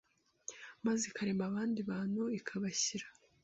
maze ikarema abandi bantu ikabashyira